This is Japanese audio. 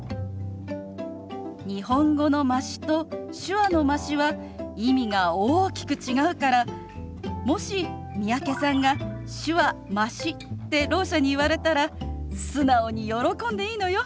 日本語の「まし」と手話の「まし」は意味が大きく違うからもし三宅さんが「手話まし」ってろう者に言われたら素直に喜んでいいのよ。